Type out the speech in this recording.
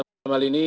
dan dalam hal ini